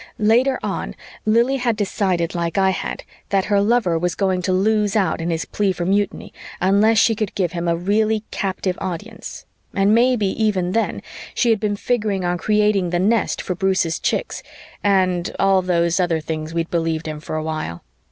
Later on, Lili had decided like I had that her lover was going to lose out in his plea for mutiny unless she could give him a really captive audience and maybe, even then, she had been figuring on creating the nest for Bruce's chicks and ... all those other things we'd believed in for a while.